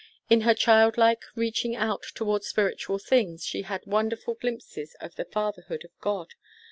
In her childlike reaching out towards spiritual things, she had had wonderful glimpses of the Fatherhood of God.